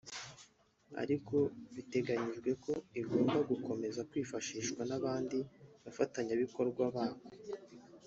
ariko biteganyijwe ko igomba gukomeza kwifashishwa n’abandi bafatanyabikorwa bako